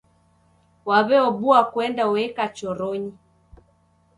Waw'eobua kuenda ueka choronyi.